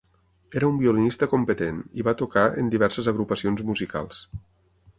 Era un violinista competent, i va tocar en diverses agrupacions musicals.